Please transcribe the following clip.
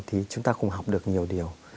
thì chúng ta cũng học được nhiều điều